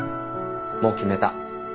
もう決めた。